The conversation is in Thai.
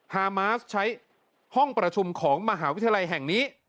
ฮามาสใช้ห้องประชุมของมหาวิทยาลัยแห่งนี้